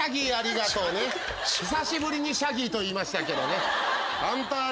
久しぶりにシャギーと言いましたけどね。